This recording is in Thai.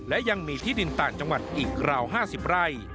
และยังมีที่ดินต่างจังหวัดอีกราว๕๐ไร่